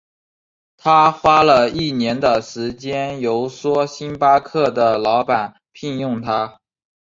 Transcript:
他花了一年的时间游说星巴克的老板聘用他。